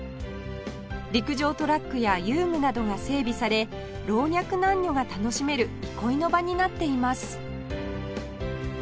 陸上トラックや遊具などが整備され老若男女が楽しめる憩いの場になっています